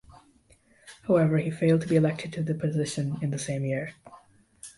However he failed to be elected to the position in the same year.